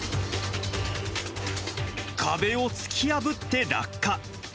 壁を突き破って落下。